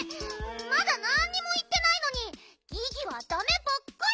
まだなんにもいってないのにギギはダメばっかり！